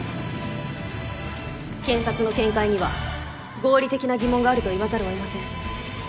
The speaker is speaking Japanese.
検察の見解には合理的な疑問があると言わざるを得ません。